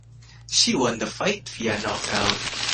She won the fight via knockout.